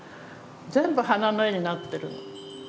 全部花の絵になってるの。